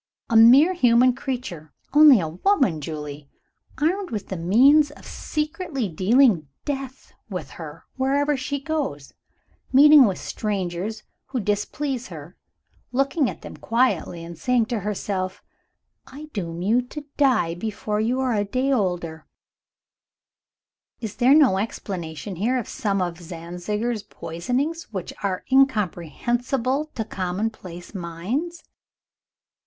A mere human creature only a woman, Julie! armed with the means of secretly dealing death with her, wherever she goes meeting with strangers who displease her, looking at them quietly, and saying to herself, "I doom you to die, before you are a day older" is there no explanation, here, of some of Zwanziger's poisonings which are incomprehensible to commonplace minds?